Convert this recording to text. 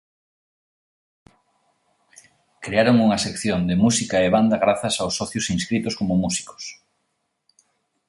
Crearon unha sección de música e banda grazas aos socios inscritos como músicos.